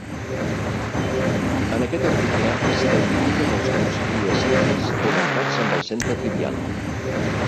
En aquest article, s"identifiquen els grups Lie simples connectats amb el centre trivial.